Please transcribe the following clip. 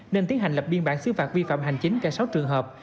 nên tiến hành lập biên bản xứ phạt vi phạm hành chính cả sáu trường hợp